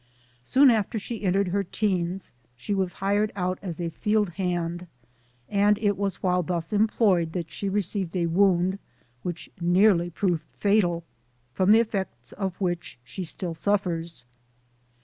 " Soon after she entered her teens she was hired out as a field hand, and it was while thus em ployed that she received a wound which nearly proved fatal, from the effects of which she still suffers.